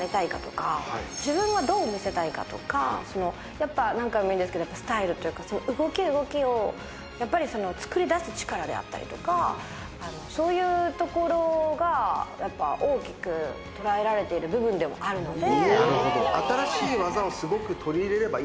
やっぱり、何回も言うんですけどスタイルというか動き動きを作り出す力であったりとかそういうところが大きく捉えられている部分でもあるので。